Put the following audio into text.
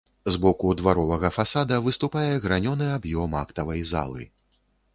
З боку дваровага фасада выступае гранёны аб'ём актавай залы.